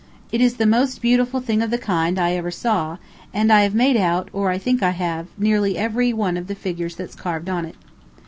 It is the most beautiful thing of the kind I ever saw, and I have made out, or think I have, nearly every one of the figures that's carved on it.